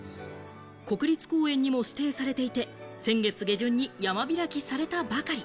国立公園にも指定されていて、先月下旬に山開きされたばかり。